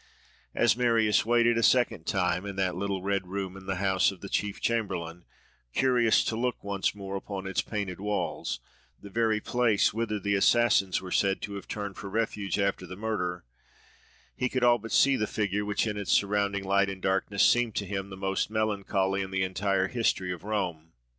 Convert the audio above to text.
As Marius waited, a second time, in that little red room in the house of the chief chamberlain, curious to look once more upon its painted walls—the very place whither the assassins were said to have turned for refuge after the murder—he could all but see the figure, which in its surrounding light and darkness seemed to him the most melancholy in the entire history of Rome.